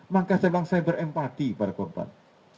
maka saya bilang saya berempati pada korban